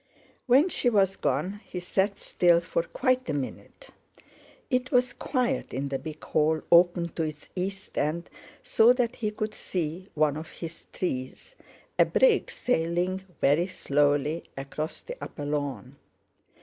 When she was gone he sat still for quite a minute. It was quiet in the big hall open to its East end so that he could see one of his trees, a brig sailing very slowly across the upper lawn.